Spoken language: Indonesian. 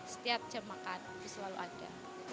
setiap jam makan itu selalu ada